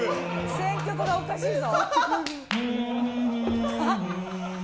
選曲がおかしいぞ。